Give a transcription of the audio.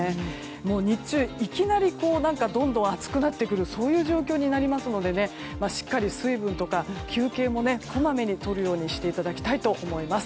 日中、いきなりどんどん暑くなってくるというそういう状況になりますのでしっかり水分とか休憩もこまめにとるようにしていただきたいと思います。